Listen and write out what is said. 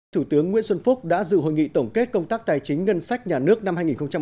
thủ tướng nguyễn xuân phúc đã dự hội nghị tổng kết công tác tài chính ngân sách nhà nước năm hai nghìn một mươi chín